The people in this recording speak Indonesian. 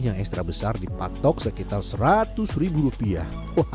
yang ekstra besar dipatok sekitar seratus ribu rupiah